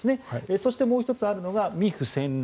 そして、もう１つあるのが未富先老。